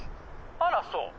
「あらそう？」。